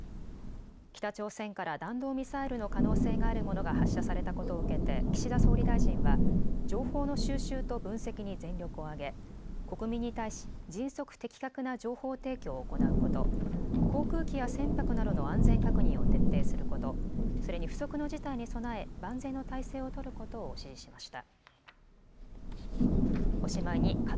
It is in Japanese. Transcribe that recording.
北朝鮮から弾道ミサイルの可能性があるものが発射されたことを受けて岸田総理大臣は情報の収集と分析に全力を挙げ国民に対し迅速・的確な情報提供を行うこと、航空機や船舶などの安全確認を徹底すること、それに不測の事態に備え万全の態勢を取ることを指示しました。